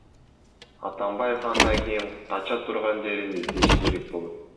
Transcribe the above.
Атамбаев андан кийин кача турган жерин издеши керек болот.